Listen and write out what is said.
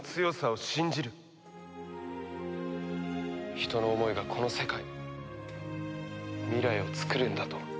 人の思いがこの世界未来を創るんだと。